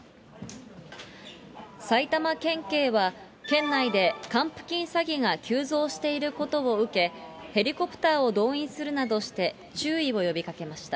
埼玉県警は、県内で還付金詐欺が急増していることを受け、ヘリコプターを動員するなどして、注意を呼びかけました。